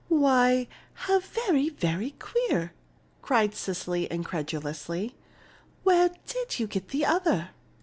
"Why, how very, very queer!" cried Cecily, incredulously. "Where did you get the other?"